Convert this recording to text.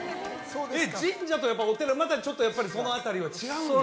神社とお寺またちょっとやっぱりその辺りは違うんです？